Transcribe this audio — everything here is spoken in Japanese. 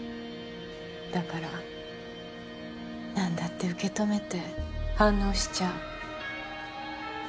だから何だって受け止めて反応しちゃう。